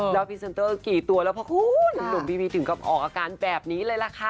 แล้วพรีเซนเตอร์กี่ตัวแล้วเพราะคุณหนุ่มพีวีถึงกับออกอาการแบบนี้เลยล่ะค่ะ